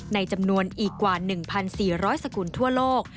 ในจำนวนอีกกว่า๑๔๐๐สกุลทั่วโลก